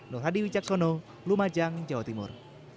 nur hadi wicaksono lumajang jawa timur